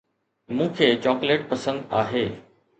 مون کي چاڪليٽ پسند آهي